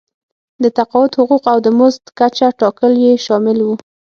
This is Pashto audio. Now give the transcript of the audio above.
د تقاعد حقوق او د مزد کچه ټاکل یې شامل وو.